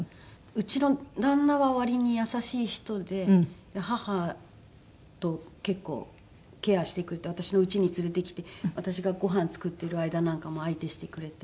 うちの旦那は割に優しい人で母と結構ケアしてくれて私のうちに連れてきて私がごはん作ってる間なんかも相手してくれて。